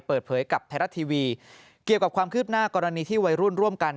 เปิดเผยกับไทยรัฐทีวีเกี่ยวกับความคืบหน้ากรณีที่วัยรุ่นร่วมกัน